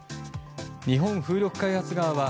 日本風力開発側は